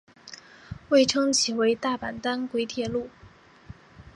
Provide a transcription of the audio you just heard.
多称其为大阪单轨铁路。